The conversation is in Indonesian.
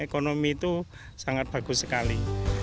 ekonomi itu sangat bagus sekali